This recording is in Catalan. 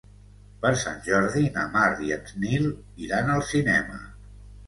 Per Sant Jordi na Mar i en Nil iran al cinema.